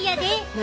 何？